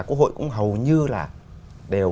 quốc hội cũng hầu như là đều